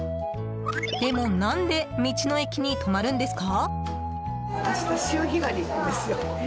でも、何で道の駅に泊まるんですか？